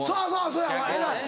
そやわ偉い。